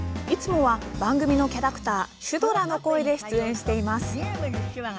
いつもは番組のキャラクターシュドラの声で出演しています。